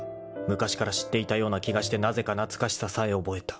［昔から知っていたような気がしてなぜか懐かしささえ覚えた］